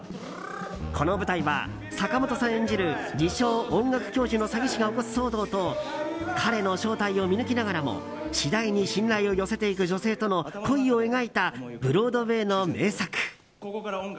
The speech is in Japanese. この舞台は坂本さん演じる自称・音楽教授の詐欺師が起こす騒動と彼の正体を見抜きながらも次第に信頼を寄せていく女性との恋を描いたブロードウェーの名作。